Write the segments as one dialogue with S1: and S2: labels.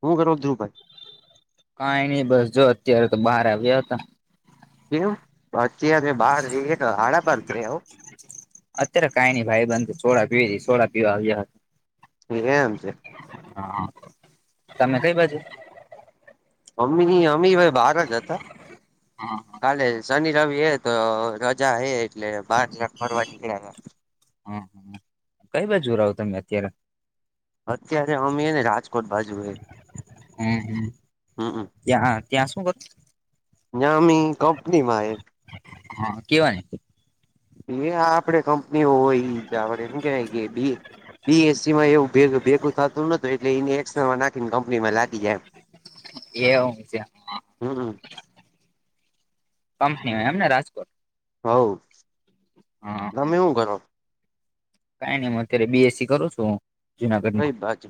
S1: શું કરો ધ્રુવભાઈ?
S2: કાઈ નઈ બસ જો અત્યારે તો બાહાર આવ્યા હતા
S1: એવ અત્યારે બાર એક [unintelligible] સાડા બાર થયા હો
S2: અત્યારે કાઈ નઈ ભાઈબંધ સોડા પીવી સોડા પીવા આવ્યા હતા.
S1: એમ છે. [unintelligible]
S2: હા તમે કઈ બાજુ?
S1: મમ્મી અમ્મી ભાઈ બહાર જ હતા કાલે શનિ રવિ છે તો રજા છે એટલે બાર ચાક ફરવા નીકળ્યા.
S2: હમ હ કઈ બાજુ રહો તમે અત્યારે?
S1: અત્યારે અમે હેને રાજકોટ બાજુ છીએ.
S2: હમ હમ ત્યાં ત્યાં શું હતુ?
S1: ત્યાંની કંપનીમાં એ.
S2: હા કેવા?
S1: એ આપડે કંપનીઓ હોય જ આપડે હૂ કેવાય કે બે બી એસ સીમાં એવું ભેગું થતું ન હોતું એટલે એને એક્સમાં નાખીને કંપનીમાં લાગી જાય એમ. [inaudible]
S2: એવું છે.
S1: હમ હમ.
S2: કંપની હોય એમને રાજકોટ
S1: હોઉ તમે શું કરો?
S2: કાઈ નહી હું અત્યારે બીએસી કરું છું હું
S1: કઈ બાજુ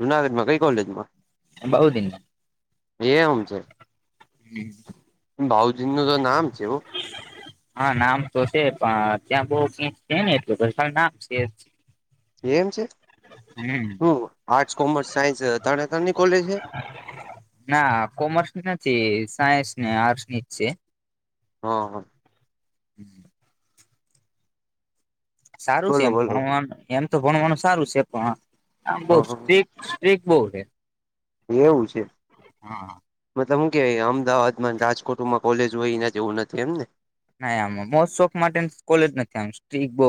S1: જુનાગઢમાં કઈ કોલેજમાં
S2: બહુ દિન
S1: એમ છે?
S2: હમ.
S1: ભઉજીનું તો નામ છે હો.
S2: હા નામ તો છે પણ ત્યાં બહુ કોર્સ છે ને એટલે નામ છે.
S1: એમ છે
S2: હમ
S1: હુ આર્ટસ કોમર્સ સાયન્સ ત્રણે ત્રણની કોલેજ છે.
S2: ના કોમર્સ ની નથી સાયન્સ ને આર્ટસ ની જ છે.
S1: હં હા.
S2: હમ. [inaudible] સારું છે
S1: બોલો
S2: એમ
S1: બોલો
S2: ભણવાનું એમ તો ભણવાનું સારું છે પણ આમ બવ
S1: હા હા
S2: સ્ટ્રીક સ્ટ્રીક બહુ છે.
S1: એવું છે.
S2: હા હા.
S1: મતલબ હું કે અમદાવાદમાં રાજકોટમાં કોલેજ હોય એના જેવું નથી એમ ને
S2: ના આમ મોજ શોખ માટે કોલેજ નથી આમ સ્ટ્રીક બહુ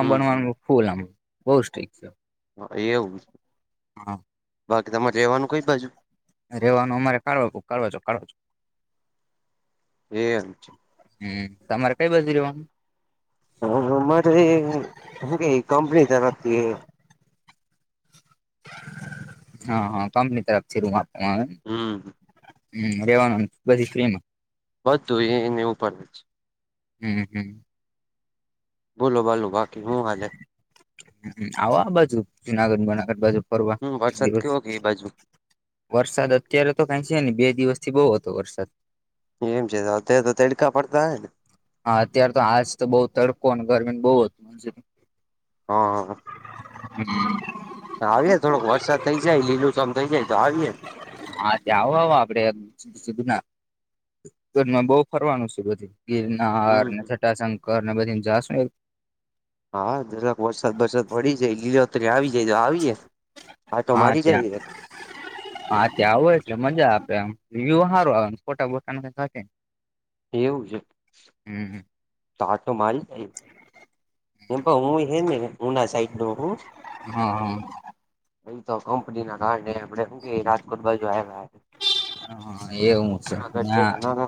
S1: હમ હમ
S2: ફોલમ બહુ સ્ટ્રીક છે.
S1: હ એવું છે.
S2: હા.
S1: બાકી તમારે રહેવાનું કઈ બાજુ?
S2: રહેવાનું અમારે કાળવા કાો કાઢો છો.
S1: એ એમ છે.
S2: હમ તમારે કઈ બાજુ રેવાનું?
S1: મારે હું કે કંપની તરફથી
S2: હા હા કંપની તરફથી રૂમ આપવામાં આવે.
S1: હમ
S2: હમ રેવાનું બધી ફ્રીમાં?
S1: બધું એને એવું પણ છે
S2: હમ હમ.
S1: બોલો બોલો બાકી શું હાલે?
S2: આવો આ બાજુ જુનાગઢ બનાગઢ બાજુ ફરવા
S1: હમ
S2: એક
S1: વરસાદ
S2: દિવસ
S1: કેવો કે એ બાજુ
S2: વરસાદ અત્યારે તો કંઈ છે ને બે દિવસ થી બહુ હતો વરસાદ.
S1: એમ છે તો તો તડકા પડતા હે ને.
S2: હા અત્યારેાર તો આજતો બઉુ તડકો અને ગરમીને બહુ હતું છે.
S1: હા હા.
S2: હ. [unintelligible]
S1: આવીએે થોડોક વરસાદ થઇ જાય લીલું ચમ થઈ જાય તો આવીએ.
S2: હા ત્યાં આવો આવો આપડે સીધું ના. બહુ ફરવાનું છે બધી ગીર.
S1: હમ
S2: નારને છટાશંકરને બધી જાશણી.
S1: હા દરાક વરસાદ વરસાદ પડી જાય લી અત આવી જાય તો આવીયે. હા તો મારી જઈએ.
S2: હા ત્યાં આવો એટલે મજા આપે એમ વ્ય સારું આવે ખોટા બોટા.
S1: એવું છે.
S2: હમ.
S1: તા આ તો મારી. હું હ ને હુના સાઈડ ન હું.
S2: હા હમ.
S1: એ તો કંપની ના ના ન આપે શું કે રાજકોટ બાજુ આવ્યા.
S2: હા એવું છે
S1: જુનાગઢ પેલા નાના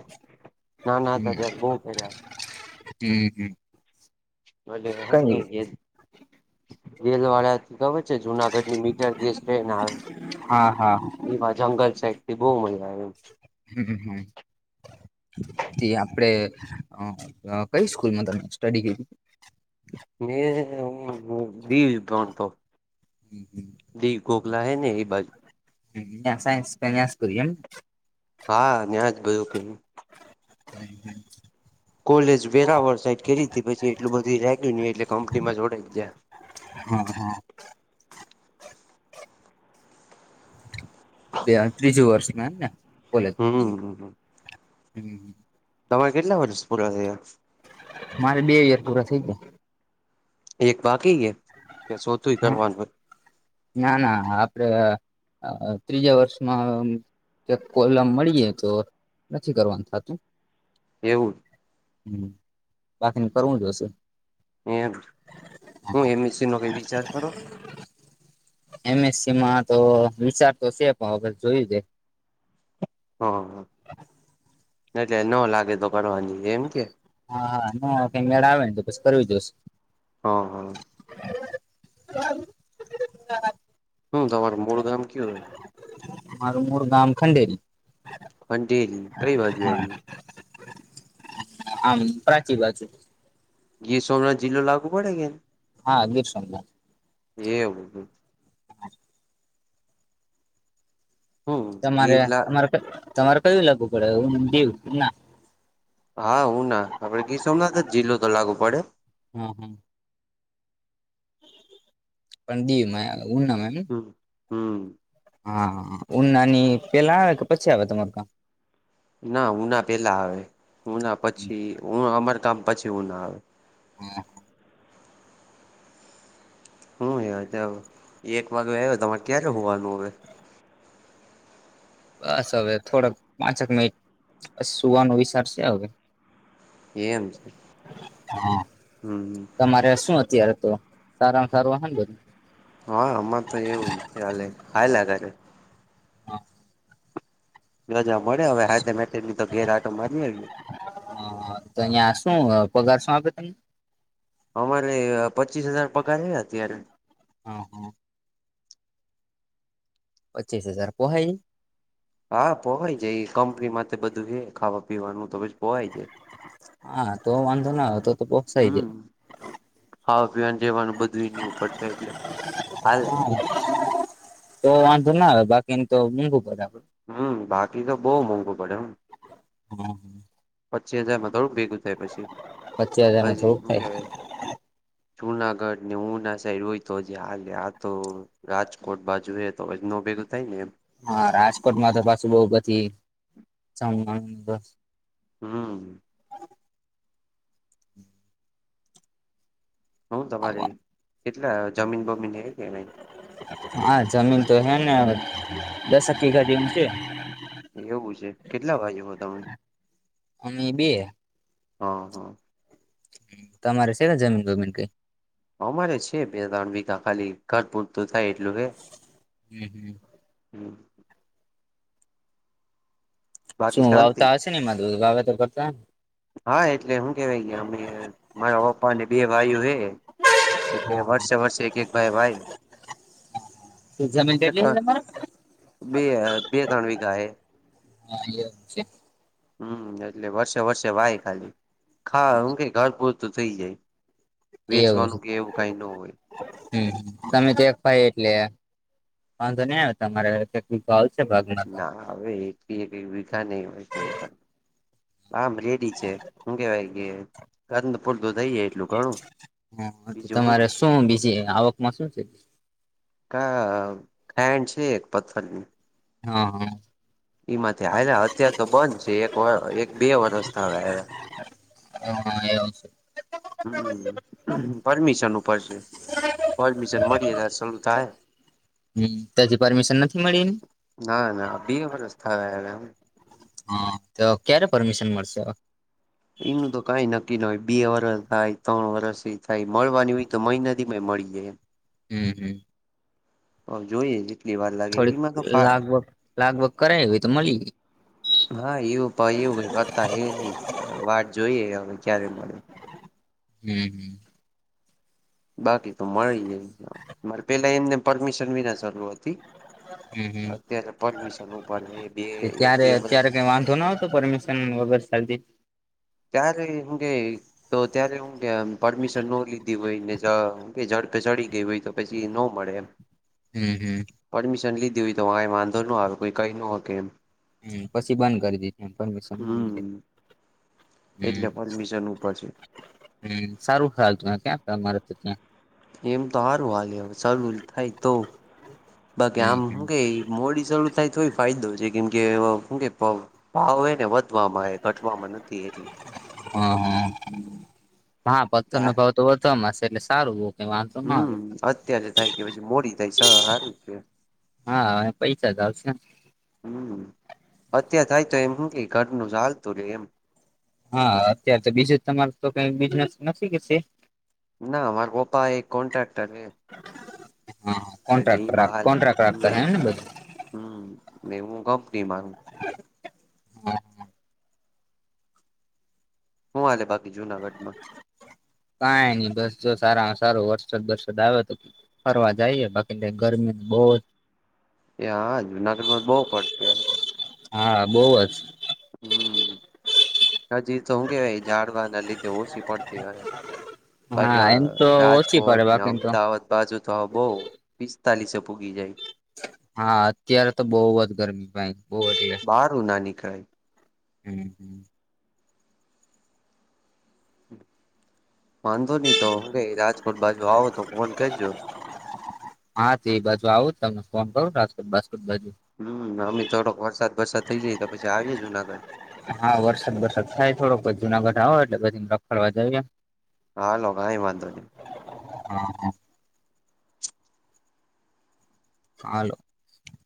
S1: નાના હતા
S2: હમ.
S1: ત્યારે બહુ પેલા
S2: હમ હમ. કઈ
S1: [unintelligible] વલવાડ. ખબર છે જુનાગઢ ની મીટર ગેસ ટ્રેન હા.
S2: હા હા
S1: એવા જંગલ સાઈડ થી બહુ મજા આવે એમ.
S2: હમ હમ. આપણે કઈ સ્કૂલમાં તમે સ્ટડી.
S1: મે હ બીણ તો. દી ગોખલા હૈ ને એ બાજ.
S2: હ સાન્ન્યાસ કરી એમ.
S1: હા ન્યાજ બધુ કે.
S2: હમ હ.
S1: કોલેજ વેરાવર સાઈડ કરી હતી પછી એટલું બધું રાય્યું નહી એટલે કંપની માં જોડાઈ જ જાય.
S2: હા હા. બે ત્રીજું વર્ષમાં આમને કોલેજ નુ
S1: હમ
S2: હમ
S1: તમારા કેટલા વર્ષ પૂરા થયા.
S2: મારે બેવિયર પૂરા થઈ ગયા.
S1: એક બાકીે કે સોતું
S2: હા
S1: કરવાન હો.
S2: ના ના આપડે ત્રીજા વર્ષમાં. કે કોલમ મળીએ તો નથી કરવાનું થતું.
S1: એવું
S2: હમ બાકીને કરવું જોશે
S1: એમ હું એમ નો કઈ વિચાર કરો
S2: એમએસસી માં તો વિચાર તો છે પણ હગર જોયું જ.
S1: હ હ.
S2: હ.
S1: એટલે ન લાગે તો કરવાની એમ કે.
S2: હા હા ના કઈ મેળા આવે ને તો પછી કરવી દઈ.
S1: હમ હા. હું તમાર મોળ ગામ ક હોય.
S2: મારમર ગામ ખંડેરી.
S1: હાજી કઈ બાજુ.
S2: આમ પ્રાચી બાજુ.
S1: ગી સોમનાથ જિલ્લો લાગુ કરે ગયા.
S2: હા દીર શન્યા.
S1: એવું હું
S2: તમારે
S1: ગીર લા
S2: તમારે તમારે કયું લાગવું પડે હું દીવ ના
S1: હા હું ના આપડે કીસોમ ના તો જીલોું તો લાગુ પડે
S2: હમ હમ પણ દ ઉં નામ
S1: હમ હમ
S2: હા ઉનાની પેલા આવે કે પછી આવે તમારું કામ
S1: ના ઉના પહેલાં આવે ઉના પછી હું અમાર કામ પછી ઉઊ ના આવે
S2: હમ
S1: હું હ એક વાગ્ય આવ્યો તમારે ક્યારે હોવાનું હવે
S2: બસ હવે થોડાક પાંચક મિનિટ સુવાનો વિચાર છે હવે
S1: એમ છે
S2: હા
S1: હમ
S2: તમારે શું અત્યારે તો સારામાં સારું હ ને બધ
S1: હા અમાં તો એવું જ હલે હાલાાગે છે
S2: હા
S1: જા મળે હવે હા તો ઘેર આટો મારી
S2: હ તો અહં શું પગાર શું આપે તમને
S1: અમારે પચીસ હજાર પગારે અત્યારે
S2: હા હા પચીસ હજાર કો હ
S1: હા પોવાય જાય કંપનીમાં બધું છે ખાવા પીવાનું તો બ પોવાય જાય
S2: હા તો વાંધો ન તો તો પોક્સા જે
S1: હા અભિયાન જવાનું બધુંની ઉપર છે એટલે હાલે
S2: તો આ તો ના આવે બાકીને તો મોંઘું પડે આપડે
S1: હમ્મ બાકી તો બહુ મોંઘું પડે એમ.
S2: હમ
S1: પચી હજારમાં થોડું ભેગું થાય પછી
S2: પચી હજાર માં
S1: હજી
S2: થોડું
S1: શું
S2: ફાય
S1: કેવાય જુનાગઢ ને ઉું ના સાઈડ હોય તો જ હ લ આ તો રાજકોટ બાજુ એ તો એજ ન ભેગલ થાય ને એમ.
S2: હા રાજકોટમાં તો પાછું બઉ બધી જમવાનું
S1: હમ્મ. હું તમારે એટલા જમીન બમીન હે કે નઈ.
S2: હા જમીન તો હે ને દશ એક વિઘા જેમ છે.
S1: એવું છે કેટલા ભાઈઓ હો તમે?
S2: અમે બે
S1: હા હા.
S2: તમારે છે કે જમીન ગમીન કઈ.
S1: અમારે છે બે-ત્રણ વીઘા ખાલી ઘર પૂરતું થાય એટલું હે.
S2: હમ હમ
S1: હમ. બાકી
S2: શું
S1: શાંતિ
S2: વાવતા હશે ને એમાંધું વાવેતર કરતા.
S1: હા એટલે હું કેવાય ગયા અમે મારા પપ્પાને બે ભાઈઓ હે એટલે વર્ષે વર્ષે એક એક ભાઈ ભાઈ
S2: એ જમીન કેટલી
S1: ક
S2: તમારે?
S1: બે બે ત્રણ વિઘા હે.
S2: હા એ છે.
S1: હમ્મ એટલે વર્ષે વર્ષે વાય ખાલી ખા હ કે ઘર પૂર તું થઇ જાય. વેચવાનું કે એવું કઈ ન હોય.
S2: હમ્મ તમે એક ભાઈ એટલે વાંધો નહી આવે તમારે. ભાવ છે ભાગના તો.
S1: ના હવે એ એક વીઘા નહી હોય કર. આમ રેડી છે શું કેવાય કે ગંધ પૂરતું થઈ જાય એટલું ઘણું
S2: હ તો
S1: બીજું હું
S2: તમારે શું બીજી આવકમાં શું છે.
S1: તા ટાઈમ છે, એક પથ્થરની.
S2: હા હા.
S1: ઈમાંથી હાલ્યા અત્યાર તો બંધ છે એક વર એક-બે વરષ થવા આયવા.
S2: [unintelligible]
S1: હમ્મ પરમિશન ઉપર છે. પડમિશન મળી ચલુ થાય.
S2: તથી પરમિશન નથી મળી.
S1: ના, ના બે વરસ થવા આયવા એમ.
S2: હા તો ક્યારે પરમિશન મળશે.
S1: એનું તો કઈ નક્કી ન હો બે વરષ થાય ત્રણ વરષ થાય મળવાની હોય તો મહિના થી મળી જાય એમ
S2: હમ્મ હમ્મ
S1: હ જોઈએ જ.
S2: થોડીક લાગવગ લાગવગ કરાઈ હોય તો મલી
S1: હા એવું પણ એવું ક કરતા હ નહી વાત જોઈએ હવે ક્યારે મળે
S2: હમ હમ.
S1: બાકી તો મળી જાય, માર પેલા એમને પરમિશન વિના શરૂ હતી.
S2: હમ, હમ
S1: અત્યારે પરમિશન ઉપર બે
S2: તે
S1: એક બે
S2: ત્યારે
S1: વર્ષ
S2: ત્યારે કાઈ વાંધો ના આવતો પરમિશન વગર [unintelligible]
S1: ત્યારે હું કે તો ત્યારે હું કે આમ પરમિશન ન લીધી હોયને મ કે જડ ચડી ગઈ હોય તો પછી ન મળે એમ.
S2: હમ હમ.
S1: પરમિશન લીધી હોય તો કઈ વાંધો ન આવે કોઈ કઈ ન હો કે એમ.
S2: હમ, પસી બંધ કરી દે પરમિશન મલી જાય.
S1: હમ
S2: હમ્મ
S1: એટલે પરમિશન ઉપર છે
S2: હમ્મ સારું ખ્યાલ ત ક્યાં [unintelligible]
S1: એમ તો હારું હલે હવે શરૂરી થાય તો બાકી
S2: હમ
S1: આમ
S2: હમ
S1: હુ કે મોડી શરૂુ થાય થઈ ફાયદો છે કેમ કે કે ભાવ હો ને વધવામાં હે ઘટવામાં નથી એટલી
S2: હઅ, હઅ હા, પથ્થરના ભાવ તો તો અમાર શે એટલે સારું. કઈ વાંધો ના
S1: હમ,
S2: આવે
S1: અત્યારે થાય કે પછી મોડી થાય સ હારું કે.
S2: હા પૈસા જ આવશેને.
S1: હમ, અત્યાર થાય તો એમ હુ કે ઘરનું જાલતું રે એમ.
S2: હા અત્યારે તો બીજું તમાર તો કઈ બિઝનેસ નથી સે
S1: ના, માર પપ્પા એક કોન્ટ્રાક્ટર હે.
S2: હા
S1: એટલે
S2: કોન્ટ્રાક્ટર
S1: એમાં હાલે
S2: કોન્ટ્રાક્ટર
S1: હમ
S2: રાખતા હે ને બધ.
S1: હમ ને હું કંપની મા
S2: [inaudible]
S1: હું હાલે બાકી જુનાગઢમાં?
S2: કઈ નઈ બસ જો સારામાં સારો વરસાદ બરસદ આવ્યો તો ફરવા જાઈએ બાકી ત્યાં ગરમી બઉ જ
S1: એ હા જુનાગઢમાં તો બઉ પડતી હવે.
S2: હા, બોઉ જ.
S1: હમ્મ હજી તો શું કેવાય ઝડવા ના લીધે ઓછી પડતી હ
S2: હા
S1: બાકી
S2: એમ તો ઓછી
S1: રાજકોટ
S2: પડે
S1: ને
S2: બાકી એમ તો
S1: અમદાવાદ. તાજુ તો હવ બઉ પિસ્તાલીસે પોગી જાય.
S2: હા, અત્યારે તો બઉ જ ગરમી ભાઈ બઉ એટલે.
S1: હારું ના નીકળાય
S2: હમ્મ હમ્મ
S1: વાંધો ની તો હું કઈ રાજકોટ બાજુ આવો તો ફોન કરજો.
S2: હા તે એ બાજુ આવું તમને ફોન કરું રાજકોટ બાસ્કોટ બાજુ.
S1: હમ્મ અમે થોડોક વરસાદ વરસાદ થઇ જાયએ તો પછી આવીએ જુનાગઢ.
S2: હા વરસાદ વરસાદ થાય થોડોક પછી જુનાગઢા આવો એટલે બધીને રખાડવા જઈએ.
S1: હાલો કાઈ વાંધો નઈ.
S2: [inaudible] હાલો.